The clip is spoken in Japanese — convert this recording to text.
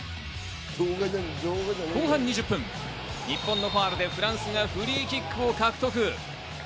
後半２０分、日本のファウルでフランスがフリーキックを獲得。